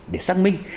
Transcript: để xác minh